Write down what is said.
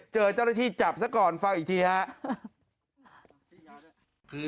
เจอเจ้าหน้าที่จับสักก่อนฟังอีกที